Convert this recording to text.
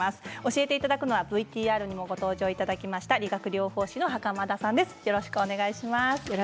教えていただくのはＶＴＲにもご登場いただきました理学療法士の袴田さんです。